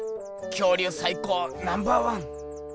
恐竜さい高ナンバーワン。